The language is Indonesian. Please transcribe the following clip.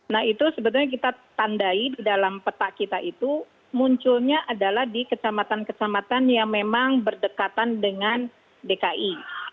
nah itu sebetulnya kita tandai di dalam peta kita itu munculnya adalah di kecamatan kecamatan yang memang berdekatan dengan dki